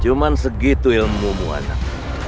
cuman segitu ilmu ilmu anak